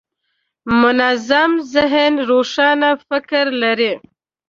منظم ذهن روښانه فکر لري.